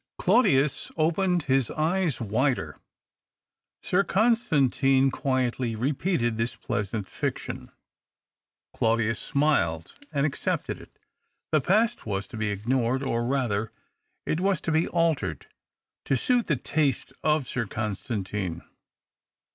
Claudius opened his eyes wider. Sir Con stantine quietly repeated this pleasant fiction. Claudius smiled and accepted it. The past Avas to be ignored — or, rather, it was to be altered to suit the taste of Sir Constantine.